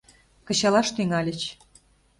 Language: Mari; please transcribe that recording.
Кычалаш тӱҥальыч.